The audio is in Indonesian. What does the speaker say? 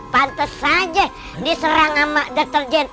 pantes aja diserang sama deterjen